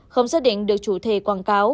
không xác định được chủ thể quảng cáo